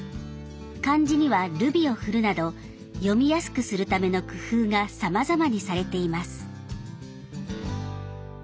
漢字にはルビを振るなど読みやすくするための工夫がさまざまにされています。